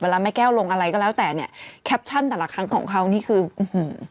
แม่แก้วลงอะไรก็แล้วแต่เนี้ยแคปชั่นแต่ละครั้งของเขานี่คืออื้อหือ